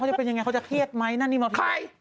เขาก็เลยบอกอยากให้คุณแม่เนี่ยอู๊คแบบ